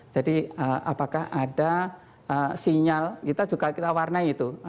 jadi apakah ada sinyal kita juga kita warnai itu